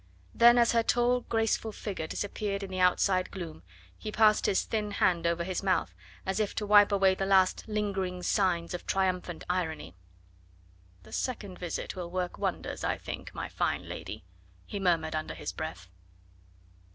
Then as her tall, graceful figure disappeared in the outside gloom he passed his thin hand over his mouth as if to wipe away the last lingering signs of triumphant irony: "The second visit will work wonders, I think, my fine lady," he murmured under his breath.